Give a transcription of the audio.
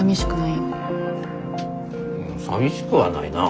さみしくはないな。